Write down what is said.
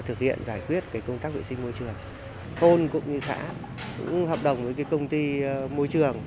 thực hiện giải quyết công tác vệ sinh môi trường thôn cũng như xã cũng hợp đồng với công ty môi trường